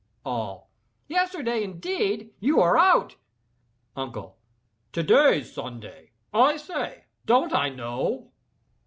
ALL. "Yesterday indeed! you are out!" UNCLE. "To day's Sunday, I say—don't I know?"